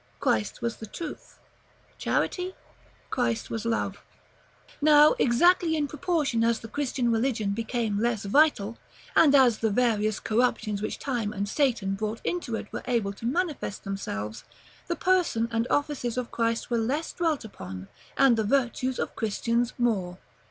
Christ was the truth: Charity? Christ was love. § XLVI. Now, exactly in proportion as the Christian religion became less vital, and as the various corruptions which time and Satan brought into it were able to manifest themselves, the person and offices of Christ were less dwelt upon, and the virtues of Christians more.